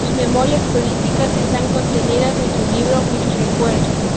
Sus memorias políticas están contenidas en su libro "Mis Recuerdos".